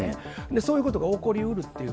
そういうことが起こりうるっていう。